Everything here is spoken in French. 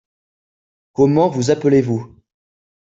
Comment vous appelez-vous ?